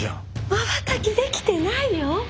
まばたきできてないよ！